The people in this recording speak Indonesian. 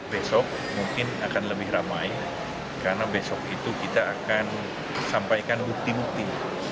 besok mungkin akan lebih ramai karena besok itu kita akan sampaikan bukti bukti